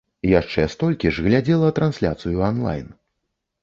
Яшчэ столькі ж глядзела трансляцыю анлайн.